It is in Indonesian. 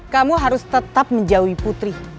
kamu harus tetap menjauhi putri